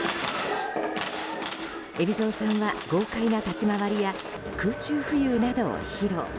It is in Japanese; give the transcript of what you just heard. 海老蔵さんは豪快な立ち回りや空中浮遊などを披露。